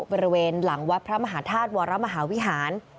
บริเวณหลังวัดพระมหาธาตุวรมหาวิหาร